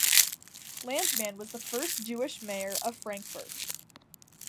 Landmann was the first Jewish mayor of Frankfurt.